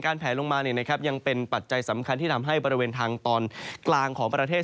แผลลงมายังเป็นปัจจัยสำคัญที่ทำให้บริเวณทางตอนกลางของประเทศ